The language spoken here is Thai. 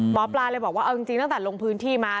หมอปลาเลยบอกว่าเอาจริงตั้งแต่ลงพื้นที่มา